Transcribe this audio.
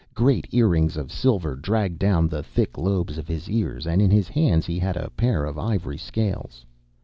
Great earrings of silver dragged down the thick lobes of his ears, and in his hands he had a pair of ivory scales.